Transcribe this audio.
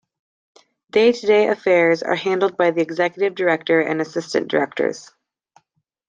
Day-to-day affairs are handled by the Executive Director and Assistant Directors.